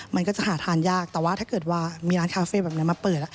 มันก็จะหาทานยากแต่ว่าถ้าเกิดว่ามีร้านคาเฟ่แบบนี้มาเปิด